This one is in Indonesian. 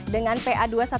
dengan pa dua ratus dua belas